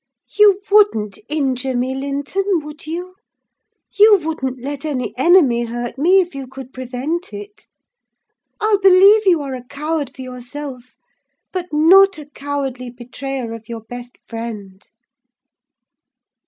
You wouldn't injure me, Linton, would you? You wouldn't let any enemy hurt me, if you could prevent it? I'll believe you are a coward, for yourself, but not a cowardly betrayer of your best friend."